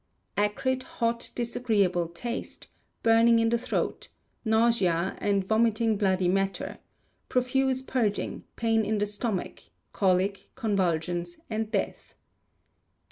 Acrid, hot, disagreeable taste; burning in the throat, nausea, and vomiting bloody matter; profuse purging, pain in the stomach, colic, convulsions, and death.